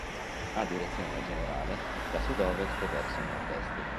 Ha direzione generale da sud-ovest verso nord-est.